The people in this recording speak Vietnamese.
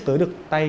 tới được tay